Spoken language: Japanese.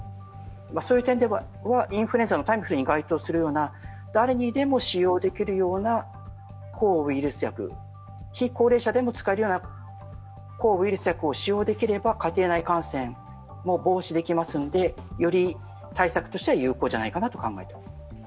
そういう点ではインフルエンザのタミフルに該当するような、誰でも使用できるような抗ウイルス薬、非高齢者でも使えるような抗ウイルス薬を使用できれば、家庭内感染も防止できますのでより対策としては有効じゃないかなと考えています。